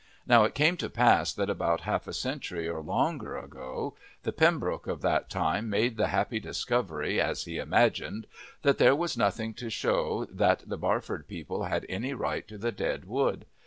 Now it came to pass that about half a century or longer ago, the Pembroke of that time made the happy discovery, as he imagined, that there was nothing to show that the Barford people had any right to the dead wood.